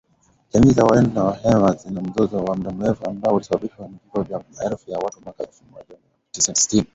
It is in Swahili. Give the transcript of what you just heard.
Jamii za walendu na wahema zina mzozo wa muda mrefu ambao ulisababishwa vifo vya maelfu ya watu mwaka elfu moja mia tisa tisini